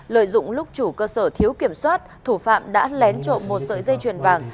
lợi dụng lúc chủ cơ sở thiếu kiểm soát thủ phạm đã lén trộm một sợi dây chuyền vàng